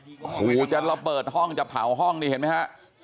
โอ้โหจะระเบิดห้องจะเผาห้องนี่เห็นไหมฮะ